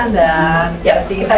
dan ya kita lanjutkan